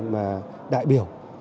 mà đại biểu